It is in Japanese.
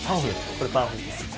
これパンフです。